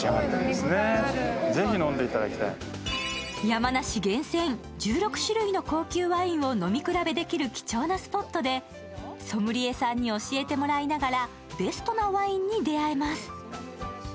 山梨厳選、１６種類の高級ワインを飲み比べできる貴重なスポットで、ソムリエさんに教えてもらいながらベストなワインに出会えます。